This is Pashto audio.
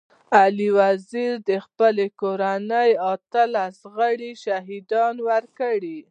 علي وزير د خپلي کورنۍ اتلس غړي شهيدان ورکړي.